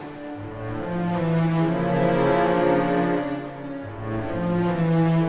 dengan kesalahan mereka old mom